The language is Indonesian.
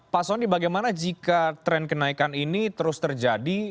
pak soni bagaimana jika tren kenaikan ini terus terjadi